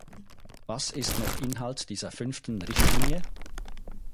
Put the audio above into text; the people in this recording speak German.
Was ist noch Inhalt dieser Fünften Richtlinie?